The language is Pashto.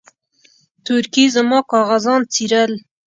تورکي زما کاغذان څيرل.